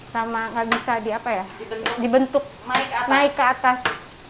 sama nggak bisa dibentuk naik ke atas